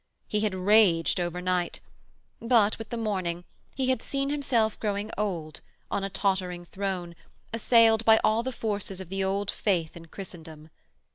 He had raged over night, but, with the morning, he had seen himself growing old, on a tottering throne, assailed by all the forces of the Old Faith in Christendom.